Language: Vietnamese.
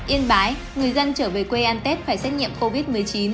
yên bái người dân trở về quê ăn tết phải xét nghiệm covid một mươi chín